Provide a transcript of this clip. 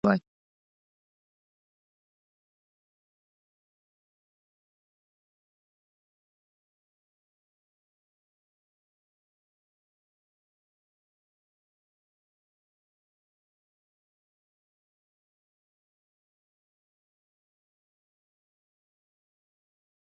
افغانستان کې ځنګلونه د نن او راتلونکي لپاره ارزښت لري.